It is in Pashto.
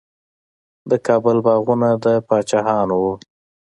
د کابل باغونه د پاچاهانو وو.